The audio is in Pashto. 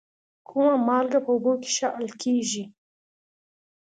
کومه مالګه په اوبو کې ښه حل کیږي؟